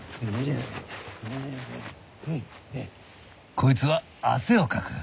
こいつは汗をかく。